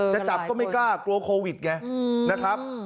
จะจับก็ไม่กล้ากลัวโควิดไงนะครับ